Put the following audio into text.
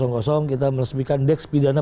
kita meresmikan deks pidana